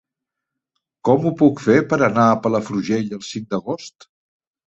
Com ho puc fer per anar a Palafrugell el cinc d'agost?